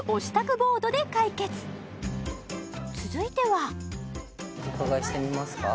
ボードで解決続いてはお伺いしてみますか？